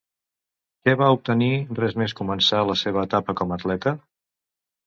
Què va obtenir res més començar la seva etapa com atleta?